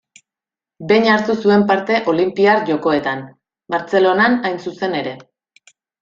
Behin hartu zuen parte Olinpiar Jokoetan: Bartzelonan hain zuzen ere.